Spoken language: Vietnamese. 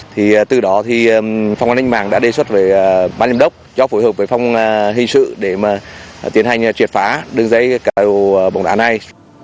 thì từ đó thì phòng an ninh mạng đã đề xuất về bán liêm đốc cho phù hợp với phòng hình sự để mà tiến hành triệt phá đường dây cả đồ bóng đá này